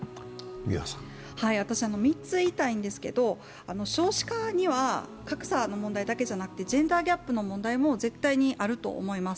私、３つ言いたいんですけど、少子化には格差の問題だけじゃなくてジェンダーギャップの問題も絶対にあると思います。